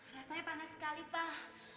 rasanya panas sekali pak